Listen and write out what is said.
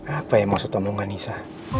apa yang mau setemukan nisa